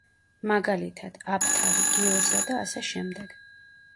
მაგალითად: აფთარი, გიურზა და ასე შემდეგ.